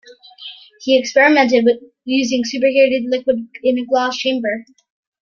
He experimented with using superheated liquid in a glass chamber.